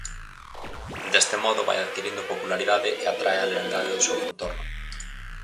Deste modo vai adquirindo popularidade e atrae a lealdade do seu contorno.